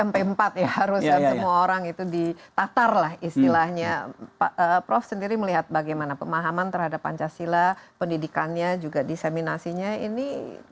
prof sendiri melihat bagaimana pemahaman terhadap pancasila pendidikannya juga diseminasi nya ini